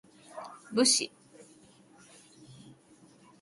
武士